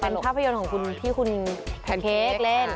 เป็นภาพยนตร์ของคุณที่คุณแพนเค้กเล่น